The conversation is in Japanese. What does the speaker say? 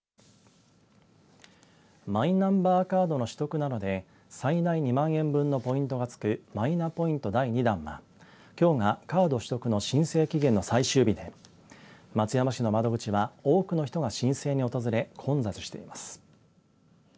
マイナンバーカードの取得などで最大２万円分のポイントがつくマイナポイント第２弾はきょうがカード取得の申請期限の最終日で松山市の窓口は多くの人が申請に訪れ混雑しています。